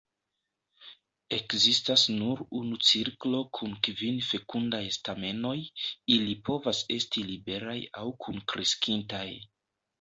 Ekzistas nur unu cirklo kun kvin fekundaj stamenoj; ili povas esti liberaj aŭ kunkreskintaj.